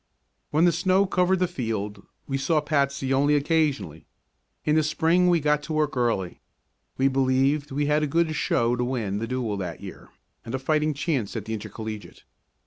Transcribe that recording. When the snow covered the field we saw Patsy only occasionally. In the spring we got to work early. We believed we had a good show to win the Dual that year and a fighting chance at the Intercollegiate.